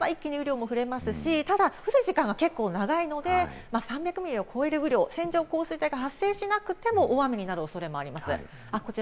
ただ降る時間が結構長いので、３００ミリを超える雨量、線状降水帯が発生しなくても大雨になる恐れがあります。